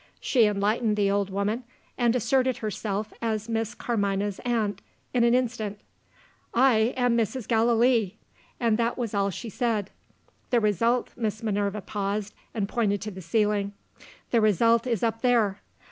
She enlightened the old woman, and asserted herself as Miss Carmina's aunt in an instant. 'I am Mrs. Gallilee:' that was all she said. The result" Miss Minerva paused, and pointed to the ceiling; "the result is up there.